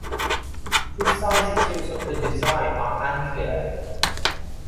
Precise details of the design are unclear.